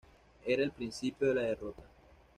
Era el principio de la derrota.